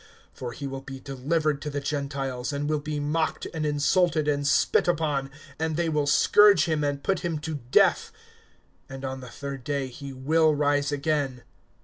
(32)For he will be delivered to the Gentiles, and will be mocked, and insulted, and spit upon, (33)and they will scourge him, and put him to death; and on the third day he will rise again.